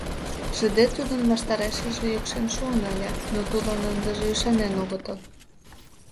Шыде тудын ваштарешыже йӱкшен шуын ыле, но тудлан ындыже ӱшанен огытыл.